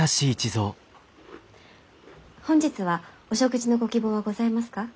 本日はお食事のご希望はございますか？